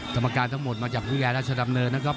กรรมการทั้งหมดมาจากวิทยาราชดำเนินนะครับ